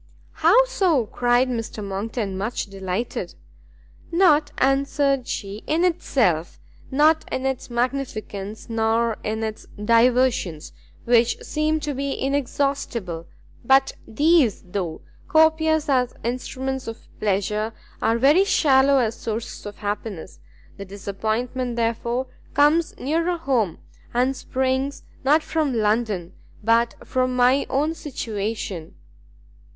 "How so?" cried Mr Monckton, much delighted. "Not," answered she, "in itself, not in its magnificence, nor in its diversions, which seem to be inexhaustible; but these, though copious as instruments of pleasure, are very shallow as sources of happiness: the disappointment, therefore, comes nearer home, and springs not from London, but from my own situation."